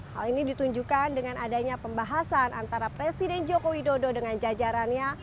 hal ini ditunjukkan dengan adanya pembahasan antara presiden joko widodo dengan jajarannya